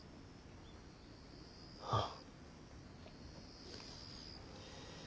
ああ。